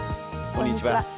こんにちは。